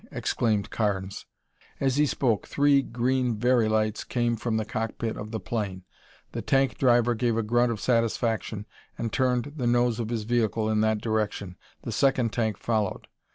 exclaimed Carnes. As he spoke, three green Very lights came from the cockpit of the plane. The tank driver gave a grunt of satisfaction and turned the nose of his vehicle in that direction. The second tank followed.